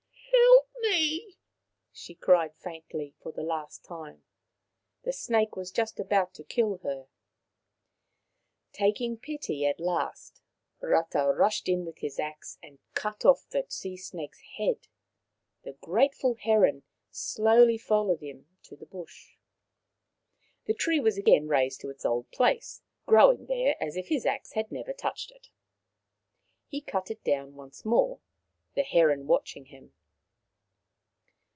" Help me," she cried faintly, for the last time. The snake was just about to kill her. Taking pity at last, Rata rushed in with his axe and cut off the sea snake's head. The grateful heron slowly followed him to the bush. Rata 163 The tree was again raised to its old place, growing there as if his axe had never touched it. He cut it down once more, the heron watching him.